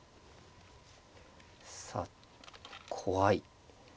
さあ怖い。